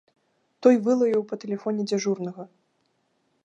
Той вылаяў па тэлефоне дзяжурнага.